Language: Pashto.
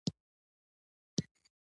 د خلکو باور ساتنه فضیلت دی.